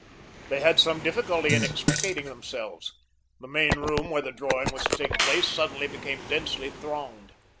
They had some difficulty in extricating themselves. The main room where the drawing was to take place suddenly became densely thronged.